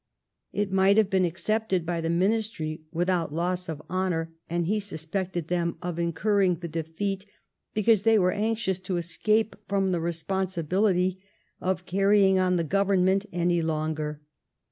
It might have been accepted by the ministry without loss of honour, and he suspected them of incur* ring the defeat because they were anxious to escape from the responsibility of carrying on the Government any longer.